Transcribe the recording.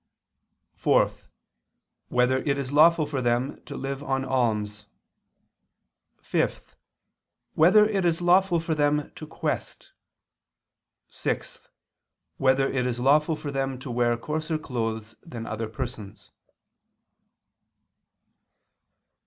(4) Whether it is lawful for them to live on alms? (5) Whether it is lawful for them to quest? (6) Whether it is lawful for them to wear coarser clothes than other persons?